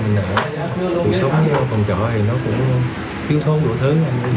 thì cuộc sống trong căn trọ này nó cũng thiếu thốn đủ thứ